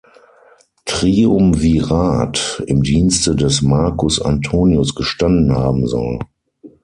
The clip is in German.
Triumvirat im Dienste des Marcus Antonius gestanden haben soll.